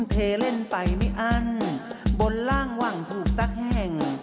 เทเล่นไปไม่อั้นบนล่างหวังถูกสักแห่ง